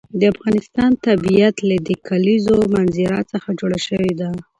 د افغانستان طبیعت له د کلیزو منظره څخه جوړ شوی دی.